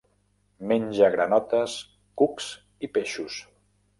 Menja granotes, cucs i peixos.